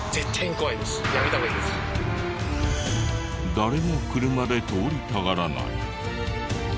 誰も車で通りたがらない。